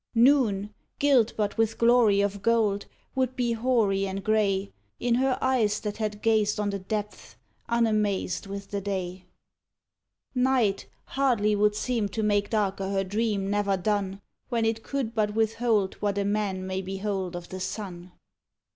Noon, gilt but with glory of gold, would be hoary and grey In her eyes that had gazed on the depths, unamazed with the day. Night hardly would seem to make darker her dream never done, When it could but withhold what a man may behold of the sun.